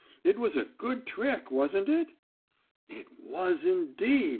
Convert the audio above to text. It was a good trick; wasn't it?" "It was, indeed!"